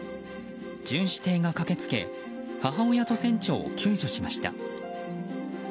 巡視艇が駆けつけ母親と船長を救助しました。